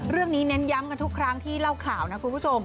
เน้นย้ำกันทุกครั้งที่เล่าข่าวนะคุณผู้ชม